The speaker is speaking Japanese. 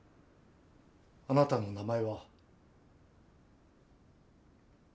あなたの名前は？